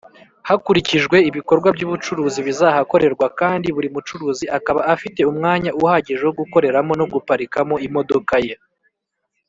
hakurikijwe ibikorwa by’ ubucuruzi bizahakorerwa kandi buri mucuruzi akaba afite umwanya uhagije wo gukoreramo no guparikamo imodoka ye.